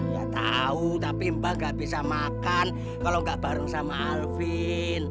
ya tau tapi mbah gak bisa makan kalo gak bareng sama alvin